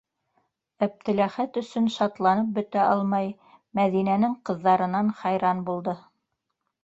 Әптеләхәт өсөн шатланып бөтә алмай, Мәҙинәнең ҡыҙҙарынан хайран булды.